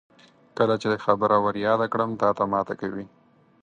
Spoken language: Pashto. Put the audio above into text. کله چې خبره ور یاده کړم تاته ماته کوي.